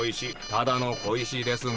ただの小石ですね？